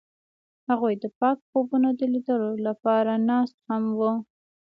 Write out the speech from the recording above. هغوی د پاک خوبونو د لیدلو لپاره ناست هم وو.